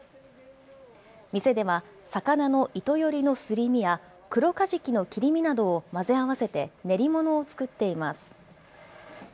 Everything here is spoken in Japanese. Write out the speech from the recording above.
店では魚のイトヨリのすり身や、クロカジキの切り身などを混ぜ合わせて、練り物を作っています。